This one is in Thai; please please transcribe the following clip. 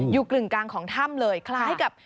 กึ่งกลางของถ้ำเลยคล้ายกับ